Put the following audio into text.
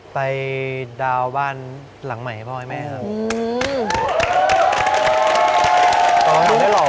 ไปดาวน์บ้านหลังใหม่ให้พ่อให้แม่ครับ